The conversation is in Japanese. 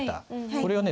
これはね